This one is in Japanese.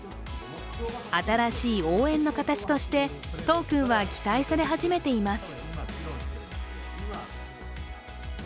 新しい応援の形としてトークンは期待され始めています。